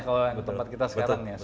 betul tempat kita sekarang ya